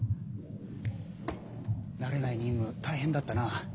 慣れない任務大変だったな。